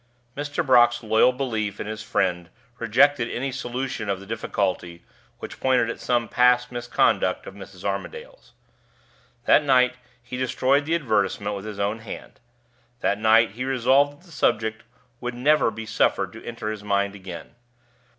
Mr. Brock's loyal belief in his friend rejected any solution of the difficulty which pointed at some past misconduct of Mrs. Armadale's. That night he destroyed the advertisement with his own hand; that night he resolved that the subject should never be suffered to enter his mind again.